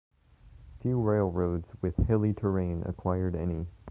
Few railroads with hilly terrain acquired any.